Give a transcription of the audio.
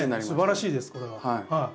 すばらしいですこれは。